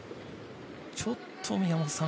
ちょっと宮本さん